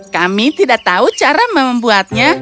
kami tidak tahu cara membuatnya